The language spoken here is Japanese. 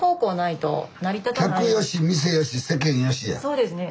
そうですね。